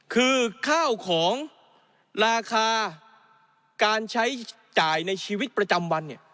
คือข้าวของราคาการใช้จ่ายในชีวิตประจำวันเนี่ย